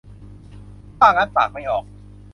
พร้างัดปากไม่ออก